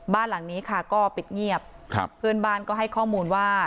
บ้านหลังนี้ค่ะก็ปิดเงียบครับเพื่อนบ้านก็ให้ข้อมูลว่า